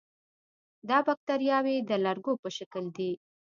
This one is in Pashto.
دا باکتریاوې د لرګو په شکل دي.